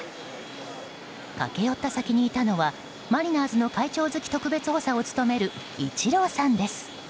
駆け寄った先にいたのはマリナーズの会長付特別補佐を務めるイチローさんです。